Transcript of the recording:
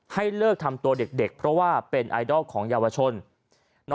ให้เลิกทำตัวเด็กเพราะว่าเป็นไอดอลของเยาวชน